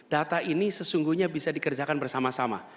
data ini sesungguhnya bisa dikerjakan bersama sama